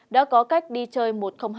đã có cách đi chơi một hai